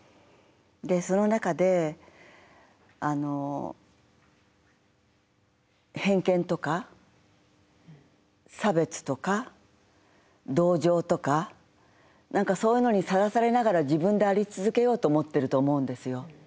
でその中であの偏見とか差別とか同情とか何かそういうのにさらされながら自分であり続けようと思ってると思うんですよ。